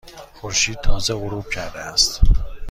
خورشید تازه غروب کرده است.